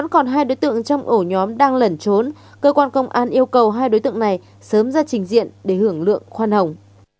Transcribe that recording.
cơ quan công an yêu cầu hai đối tượng này sớm ra trình diện để hưởng lượng khoan hồng